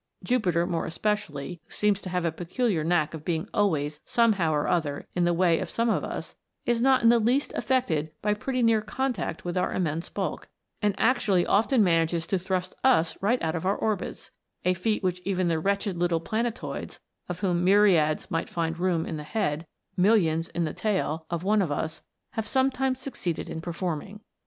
Jupiter more especially, who seems to have a peculiar knack of being always, somehow or other, in the way of some of us, is not in the least affected by pretty near contact with our immense bulk, and actually A TALE OF A COMET. 201 often manages to thrust us right out of our orbits a feat which even the wretched little planetoids, of whom myriads might find room in the head, millions in the tail, of one of us, have sometimes succeeded in performing.